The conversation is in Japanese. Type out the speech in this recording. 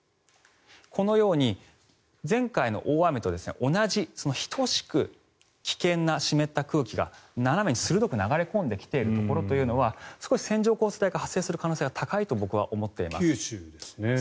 このように前回の大雨と同じ、等しく危険な湿った空気が斜めに鋭く流れ込んできているところというのは少し線状降水帯が発生する可能性が高いと九州ですね。